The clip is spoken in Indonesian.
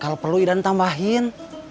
kalau perlu idan tambahin